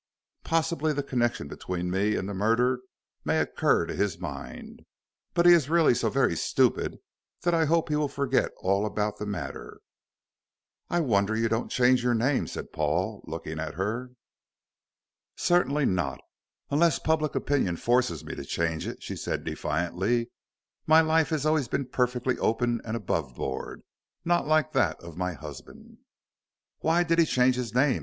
Possibly the connection between me and the murder may occur to his mind, but he is really so very stupid that I hope he will forget all about the matter." "I wonder you don't change your name," said Paul, looking at her. "Certainly not, unless public opinion forces me to change it," she said defiantly. "My life has always been perfectly open and above board, not like that of my husband." "Why did he change his name?"